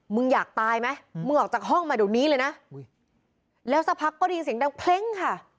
มึงอยากตายไหมมึงออกจากห้องมาเดี๋ยวนี้เลยนะแล้วสักพักก็ได้ยินเสียงดังเพล้งค่ะ